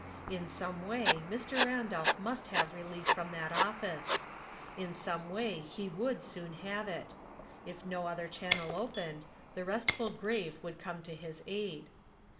In some way AFr. Randolph must have relief from that office. Ju i^ome way he would soon have it. If no other channel opened, the restful grave would come to his aid.